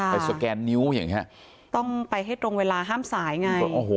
สแกนนิ้วอย่างนี้ต้องไปให้ตรงเวลาห้ามสายไง